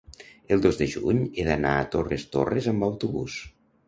El dos de juny he d'anar a Torres Torres amb autobús.